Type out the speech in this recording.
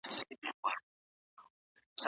د خدماتو کچه باید لوړه کړو.